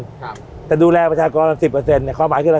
ครับแต่ดูแลประชากรสิบเปอร์เซ็นเนี่ยความหมายคืออะไร